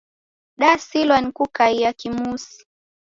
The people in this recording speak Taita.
Dasilwa ni kukaia kimusi